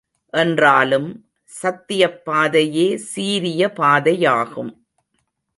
என்றாலும், சத்தியப் பாதையே சீரிய பாதையாகும்.